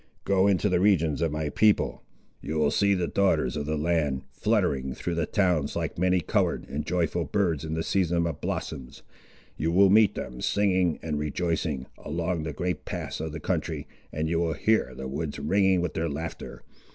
Go into the regions of my people; you will see the daughters of the land, fluttering through the towns like many coloured and joyful birds in the season of blossoms. You will meet them, singing and rejoicing, along the great paths of the country, and you will hear the woods ringing with their laughter.